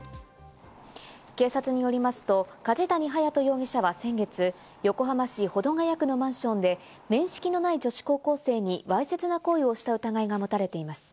警察によりますと、梶谷隼也人容疑者は先月、横浜市保土ヶ谷区のマンションで面識のない女子高校生に、わいせつな行為をした疑いが持たれています。